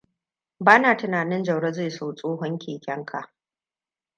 Bana tunanin Jauro zai so tsohon keken ka.